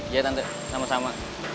iya tante sama sama